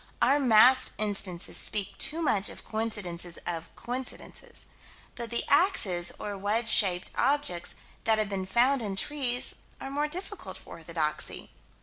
Our massed instances speak too much of coincidences of coincidences. But the axes, or wedge shaped objects that have been found in trees, are more difficult for orthodoxy.